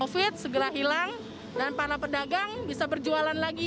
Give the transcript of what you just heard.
covid segera hilang dan para pedagang bisa berjualan lagi